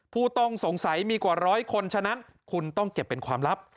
ผู้ต้องสงสัยมีกว่าร้อยคนฉะนั้นคุณต้องเก็บเป็นความลับ